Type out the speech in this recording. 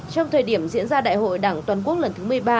trong thời điểm diễn ra đại hội đảng toàn quốc lần thứ một mươi ba